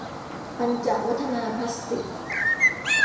ปัญจวัฒนาพลาสติก